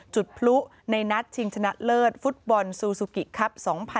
จุดพลุในนัดชิงชนะเลิศฟุตบอลซูซูกิครับ๒๐๑๖